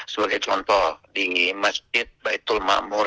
sebagai contoh di masjid baitul makmur